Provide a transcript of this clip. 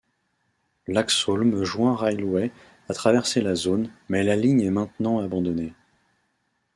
L'Axholme Joint Railway a traversé la zone, mais la ligne est maintenant abandonnée.